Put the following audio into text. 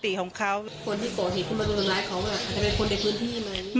คนที่โกหกหิตคุณมาตัวร้ายเขาอาจจะเป็นคนในพื้นที่ไหม